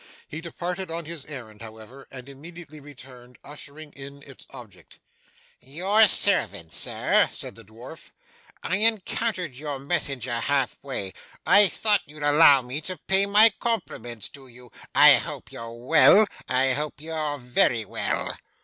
He departed on his errand, however, and immediately returned, ushering in its object. 'Your servant, sir,' said the dwarf, 'I encountered your messenger half way. I thought you'd allow me to pay my compliments to you. I hope you're well. I hope you're very well.